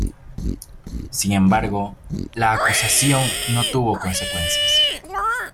Sin embargo, la acusación no tuvo consecuencias.